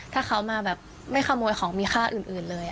ถ้าเขามาแบบไม่ขโมยของมีค่าอื่นเลย